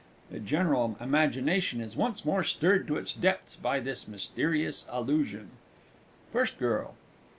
[The general imagination is once more stirred to its depths by this mysterious allusion. FIRST GIRL.